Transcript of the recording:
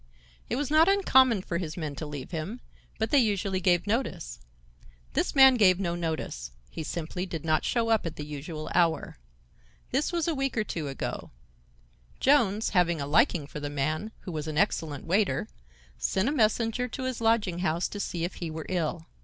It was not uncommon for his men to leave him, but they usually gave notice. This man gave no notice; he simply did not show up at the usual hour. This was a week or two ago. Jones, having a liking for the man, who was an excellent waiter, sent a messenger to his lodging house to see if he were ill.